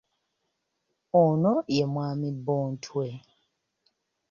Ono ye mwami Bontwe.